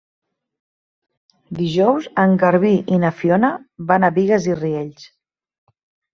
Dijous en Garbí i na Fiona van a Bigues i Riells.